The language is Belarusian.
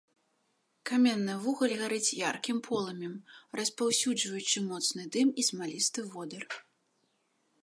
Каменны вугаль гарыць яркім полымем, распаўсюджваючы моцны дым і смалісты водар.